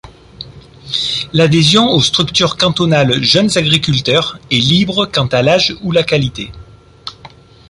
L'adhésion aux structures cantonales Jeunes Agriculteurs est libre quant à l'âge ou la qualité.